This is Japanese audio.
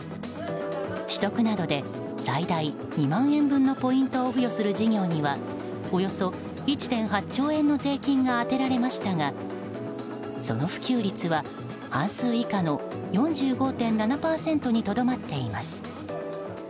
取得などで最大２万円分のポイントを付与する事業にはおよそ１．８兆円の税金が充てられましたがその普及率は半数以下の４５．７％にとどまっています。